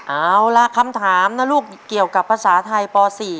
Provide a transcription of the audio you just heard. เอาล่ะคำถามนะลูกเกี่ยวกับภาษาไทยป๔